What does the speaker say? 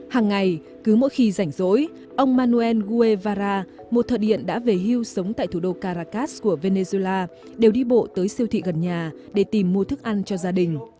hàng ngày cứ mỗi khi rảnh rỗi ông manuel guevara một thợ điện đã về hưu sống tại thủ đô caracas của venezuela đều đi bộ tới siêu thị gần nhà để tìm mua thức ăn cho gia đình